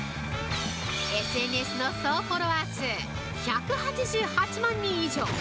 ＳＮＳの総フォロワー数１８８万人以上！